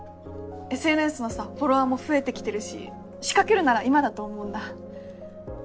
ＳＮＳのさフォロワーも増えてきてるし仕掛けるなら今だと思うんだ。